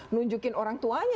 nunjukin orang tuanya